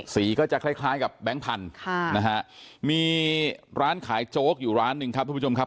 ก็จะคล้ายคล้ายกับแบงค์พันธุ์นะฮะมีร้านขายโจ๊กอยู่ร้านหนึ่งครับทุกผู้ชมครับ